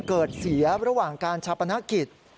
เกิดเสียระหว่างการชับอนาคต